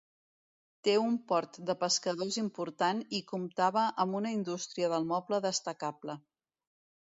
Té un port de pescadors important i comptava amb una indústria del moble destacable.